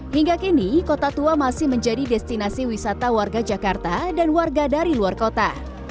hingga kini kota tua masih menjadi destinasi wisata warga jakarta dan warga dari luar kota